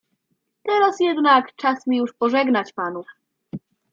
"Teraz jednak czas mi już pożegnać panów."